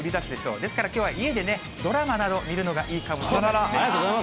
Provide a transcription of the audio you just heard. ですから、きょうは家でね、ドラマなど見るのがいいかもしれありがとうございます。